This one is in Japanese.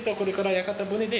屋形船に。